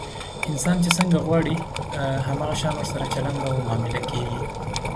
انسان چې څنګه غواړي، هم هغه شان ورسره چلند او معامله کېږي.